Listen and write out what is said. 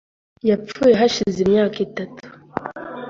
Yapfuye hashize imyaka itatu .